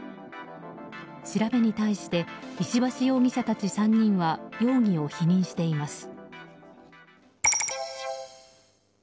調べに対して石橋容疑者たち３人は容疑を否認しています。